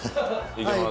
いけます。